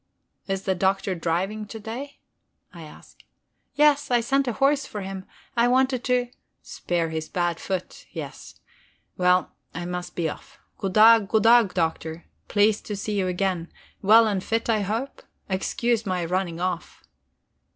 "Is the Doctor driving to day?" I ask. "Yes, I sent a horse for him. I wanted to ..." "Spare his bad foot, yes. Well, I must be off. Goddag, Goddag, Doctor. Pleased to see you again. Well and fit, I hope? Excuse my running off..."